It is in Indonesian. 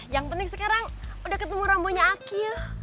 yang penting sekarang udah ketemu rambunya aki